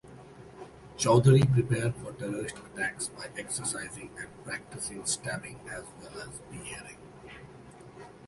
Chowdhury prepared for terrorist attacks by exercising and practising stabbing as well as beheading.